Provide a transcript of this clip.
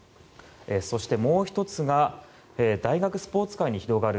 そして、もう１つが大学スポーツ界に広がる